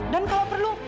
dan kalau perlu